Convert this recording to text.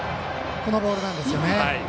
このボールなんですよね。